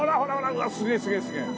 うわっすげえすげえすげえ。